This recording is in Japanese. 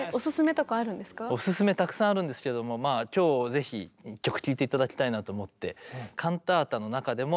おすすめたくさんあるんですけども今日ぜひ一曲聴いて頂きたいなと思って。